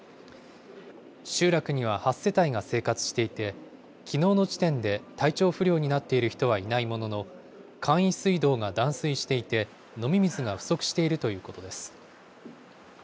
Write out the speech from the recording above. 集落には、８世帯が生活していて、きのうの時点で体調不良になっている人はいないものの、簡易水道が断水していて、飲み水が不足しているということです。